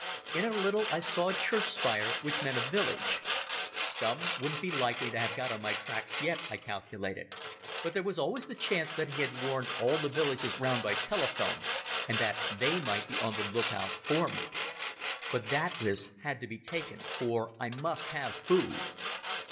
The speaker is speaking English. In a little I saw a church spire, which meant a village. Stumm wouldn't be likely to have got on my tracks yet, I calculated, but there was always the chance that he had warned all the villages round by telephone and that they might be on the look out for me. But that risk had to be taken, for I must have food.